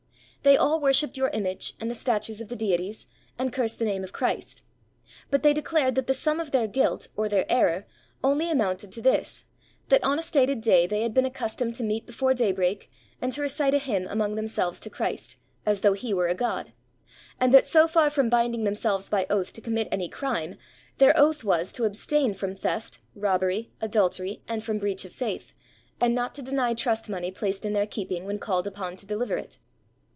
They all worshiped your image and the statues of the deities, and cursed the name of Christ. But they declared that the sum of their guilt or their error only amounted to this, that on a stated day they had been accustomed to meet before daybreak and to recite a hymn among themselves to Christ, as though he were a god, and that so far from binding themselves by oath to commit any crime, their oath was to abstain from theft, robbery, adultery, and from breach of faith, and not to deny trust money placed in their keeping when called upon to deliver it.